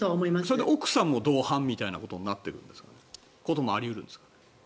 それで奥さんも同伴みたいなこともあり得るんですか？